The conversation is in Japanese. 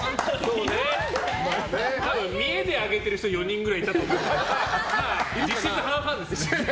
多分、見えで上げてる人４人くらいいたと思います。